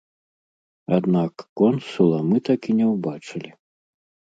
Аднак консула мы так і не ўбачылі.